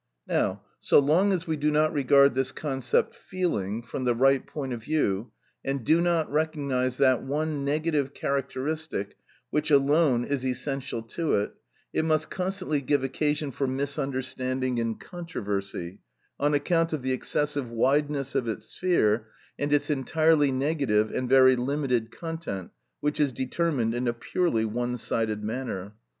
Now, so long as we do not regard this concept "feeling" from the right point of view, and do not recognise that one negative characteristic which alone is essential to it, it must constantly give occasion for misunderstanding and controversy, on account of the excessive wideness of its sphere, and its entirely negative and very limited content which is determined in a purely one sided manner.